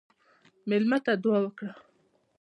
مېلمه ته دعا وکړه.